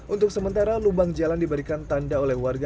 untuk sementara lubang jalan diberikan tanda oleh warga